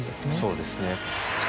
そうですね。